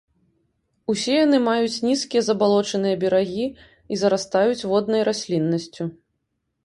Усе яны маюць нізкія забалочаныя берагі і зарастаюць воднай расліннасцю.